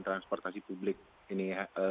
transportasi publik ini